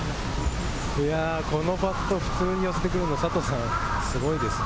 このパット、普通に寄せてくるの、すごいですね。